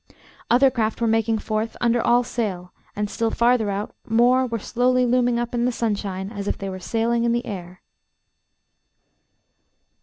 Other craft were making forth under all sail, and, still farther out, more were slowly looming up in the sunshine as if they were sailing in the air.